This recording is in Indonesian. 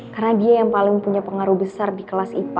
karena dia yang paling punya pengaruh besar di kelas ipa